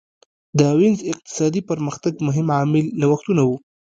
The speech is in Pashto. د وینز اقتصادي پرمختګ مهم عامل نوښتونه وو